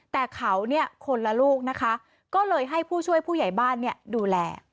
แต่เขาเนี่ยคนละลูกนะคะก็เลยให้ผู้ช่วยผู้ใหญ่บ้านดูแล